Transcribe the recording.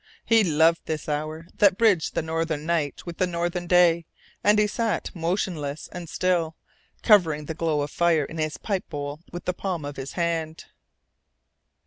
He loved this hour that bridged the northern night with the northern day, and he sat motionless and still, covering the glow of fire in his pipe bowl with the palm of his hand.